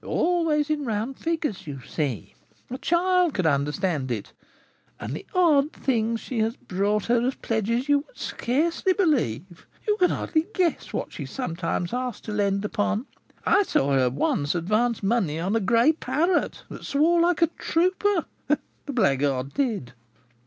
Always in round figures, you see, a child could understand it. And the odd things she has brought her as pledges you would scarcely believe. You can hardly guess what she sometimes is asked to lend upon. I saw her once advance money upon a gray parrot that swore like a trooper, the blackguard did."